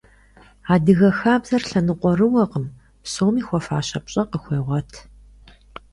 Адыгэ хабзэр лъэныкъуэрыуэкъым, псоми хуэфащэ пщӀэ къыхуегъуэт.